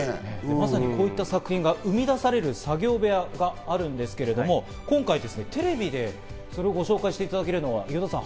まさに、こういった作品が生み出される作業部屋があるんですけど、今回テレビでそれをご紹介していただけるのは岩田さん